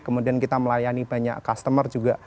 kemudian kita melayani banyak customer juga